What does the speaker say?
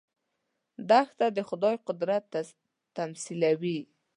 دښته د خدايي قدرت تمثیل دی.